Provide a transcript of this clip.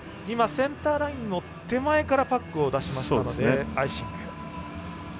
今、センターラインの手前からパックを出しましたのでアイシング。